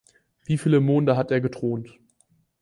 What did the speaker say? Wieviele Monde hat er gethront?